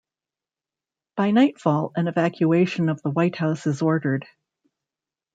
By nightfall, an evacuation of the White House is ordered.